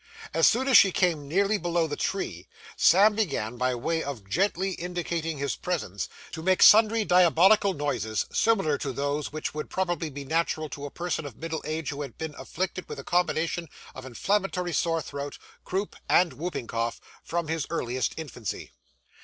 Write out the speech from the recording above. As soon as she came nearly below the tree, Sam began, by way of gently indicating his presence, to make sundry diabolical noises similar to those which would probably be natural to a person of middle age who had been afflicted with a combination of inflammatory sore throat, croup, and whooping cough, from his earliest infancy.